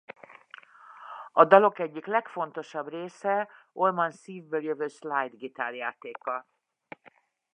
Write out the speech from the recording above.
A dalok egyik legfontosabb része Allman szívből jövő slide gitárjátéka.